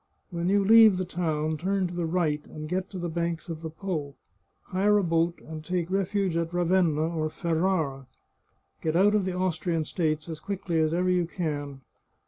When you leave the town turn to the right, and get to the banks of the Po. Hire a boat, and take refuge at Ravenna or Ferrara. Get out of the Austrian states as quickly as ever you can.